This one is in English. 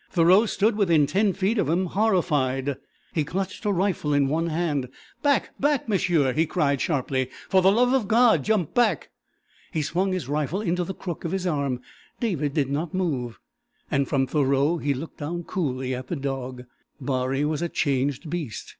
Thoreau stood within ten feet of him, horrified. He clutched a rifle in one hand. "Back back, m'sieu!" he cried sharply. "For the love of God, jump back." He swung his rifle into the crook of his arm. David did not move, and from Thoreau he looked down coolly at the dog. Baree was a changed beast.